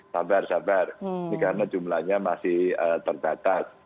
sabar sabar karena jumlahnya masih terbatas